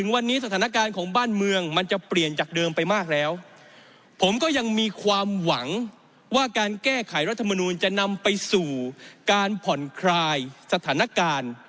ว่าการแก้ไขรัฐมนุนจะนำไปสู่การผ่อนคลายสถานการณ์